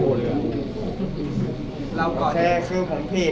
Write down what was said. โอเคคือผมผิด